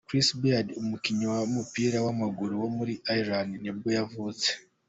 Chris Baird, umukinnyi w’umupira w’amaguru wo muri Ireland nibwo yavutse.